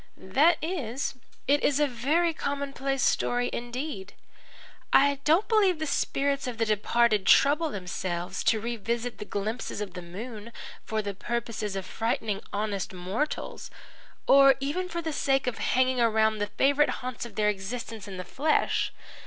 "That is. It is a very commonplace story indeed. I don't believe the spirits of the departed trouble themselves to revisit the glimpses of the moon for the purpose of frightening honest mortals or even for the sake of hanging around the favourite haunts of their existence in the flesh.